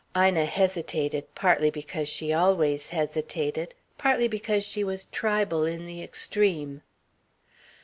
Ina hesitated, partly because she always hesitated, partly because she was tribal in the extreme.